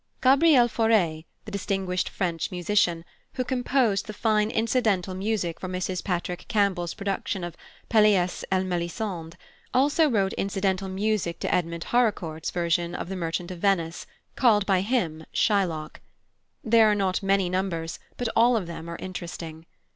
+Gabriel Fauré+, the distinguished French musician, who composed the fine incidental music for Mrs Patrick Campbell's production of Pelléas el Mélisande, also wrote incidental music to Edmond Haraucourt's version of The Merchant of Venice, called by him Shylock. There are not many numbers, but all of them are interesting.